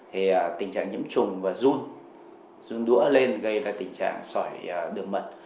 thì tình trạng nhiễm trùng và run đũa lên gây ra tình trạng sỏi đường mật